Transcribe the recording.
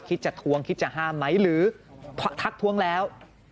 คิดจะทวงคิดจะห้ามไหมหรือทักทวงแล้ว